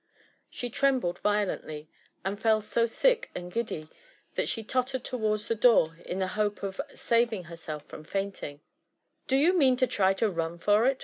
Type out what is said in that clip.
She trembled violently, and felt so sick and giddy that she tottered towards the doo^ in the hope of saving herself from fainting, ''Do you mean to try a run for it?"